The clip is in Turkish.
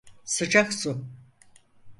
Sıcak su.